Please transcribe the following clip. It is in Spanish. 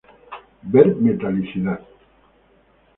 Ver metalicidad.